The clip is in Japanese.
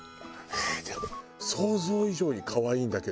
えっでも想像以上に可愛いんだけど。